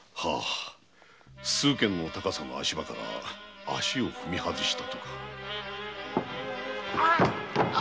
数間の高さの足場から足を踏み外したとか。